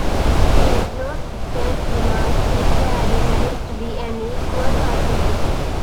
She ignores Stan's demands, declaring marriage to be an equal partnership.